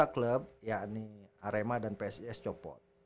dua klub yakni arema dan psis copot